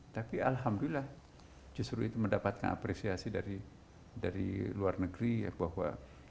tapi alhamdulillah justru itu mendapatkan apresiasi dari luar negeri ya bahwa